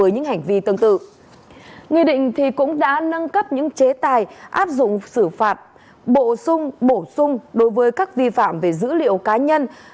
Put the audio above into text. những hành vi tương tự người định cũng đã nâng cấp những chế tài áp dụng xử phạt bổ sung đối với các vi phạm về dữ liệu cá nhân